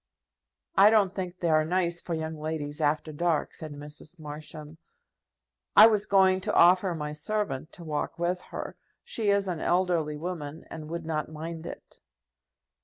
"I don't think they are nice for young ladies after dark," said Mrs. Marsham. "I was going to offer my servant to walk with her. She is an elderly woman, and would not mind it."